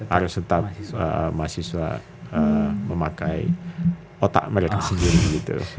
harus tetap mahasiswa memakai otak mereka sendiri gitu